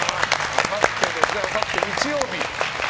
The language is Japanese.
あさって日曜日。